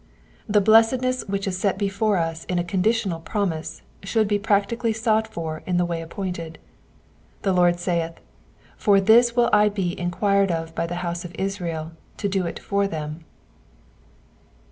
'* The blesseaness which is set before us in a conditional promise should be fractically sought for in the way appointed. The Lord saith, For this will be enquired of by the house of Israel to do it for them."